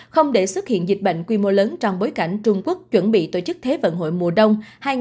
không để xuất hiện dịch bệnh quy mô lớn trong bối cảnh trung quốc chuẩn bị tổ chức thế vận hội mùa đông hai nghìn hai mươi hai